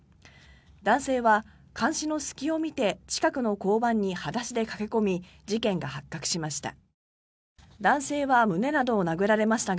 男性は監視の隙を見て近くの交番に裸足で駆け込み事件が発覚しました。